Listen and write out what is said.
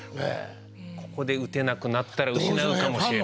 ここで打てなくなったら失うかもしれない。